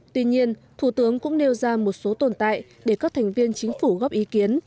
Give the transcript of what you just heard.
tuy nhiên thủ tướng cũng nêu ra một số tồn tại để các thành viên chính phủ góp ý kiến